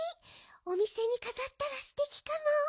おみせにかざったらすてきかも。